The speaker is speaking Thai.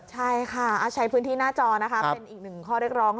ใช่ค่ะใช้พื้นที่หน้าจอนะคะเป็นอีกหนึ่งข้อเรียกร้อง